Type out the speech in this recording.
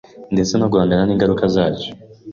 ndetse no guhangana n’ingaruka zacyo